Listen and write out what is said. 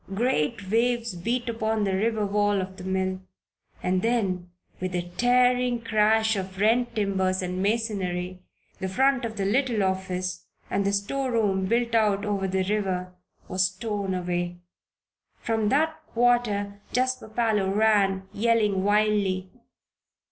Great waves beat upon the river wall of the mill. And then, with a tearing crash of rent timbers and masonry, the front of the little office and the storeroom, built out over the river, was torn away. From that quarter Jasper Parloe ran, yelling wildly.